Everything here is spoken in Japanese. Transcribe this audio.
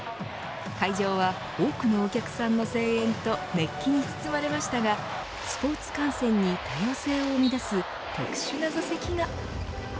会場は多くのお客さんの声援と熱気に包まれましたがスポーツ観戦に多様性を生み出す特殊な座席が。